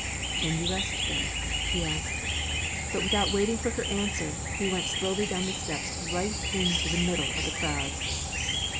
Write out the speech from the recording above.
"Can you rest there?" he asked. But without waiting for her answer, he went slowly down the steps right into the middle of the crowd.